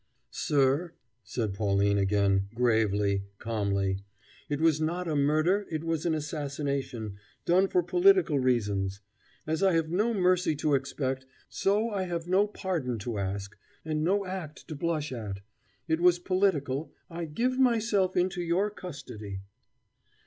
"Sir," said Pauline again, gravely, calmly, "it was not a murder, it was an assassination, done for political reasons. As I have no mercy to expect, so I have no pardon to ask, and no act to blush at. It was political. I give myself into your custody."